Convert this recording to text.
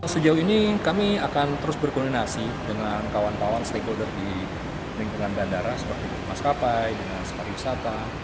sejauh ini kami akan terus berkoordinasi dengan kawan kawan stakeholder di lingkungan bandara seperti mas kapai dengan sepah wisata